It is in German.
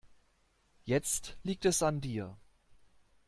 Jetzt liegt es an dir.